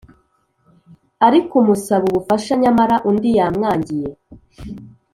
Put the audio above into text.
arikumusaba ubufasha nyamara undi yamwangiye